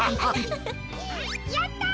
やった！